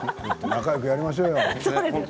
仲よくやりましょうよ。